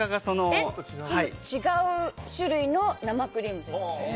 違う種類の生クリームってことですね。